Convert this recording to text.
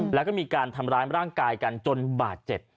แล้วก็มีการทำร้ายร่างกายกันจนบาดเจ็บ